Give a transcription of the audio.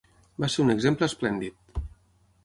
Va ser un exemple esplèndid.